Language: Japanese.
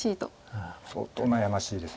相当悩ましいです。